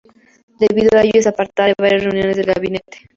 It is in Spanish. Debido a ello, es apartada de varias reuniones del gabinete.